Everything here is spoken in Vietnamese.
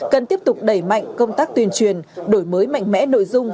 cần tiếp tục đẩy mạnh công tác tuyên truyền đổi mới mạnh mẽ nội dung